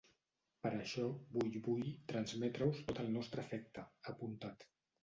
Per això vull vull transmetre-us tot el nostre afecte, ha apuntat.